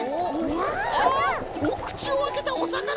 あおくちをあけたおさかな！